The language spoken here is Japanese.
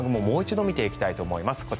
もう１度見ていきたいと思います。